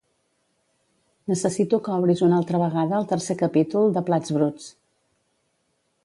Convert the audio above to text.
Necessito que obris una altra vegada el tercer capítol de "Plats bruts".